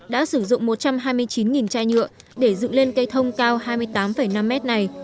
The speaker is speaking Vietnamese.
đã sử dụng một trăm hai mươi chín chai nhựa để dựng lên cây thông cao hai mươi tám năm mét này